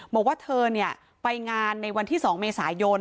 บอกว่าเธอไปงานในวันที่๒เมษายน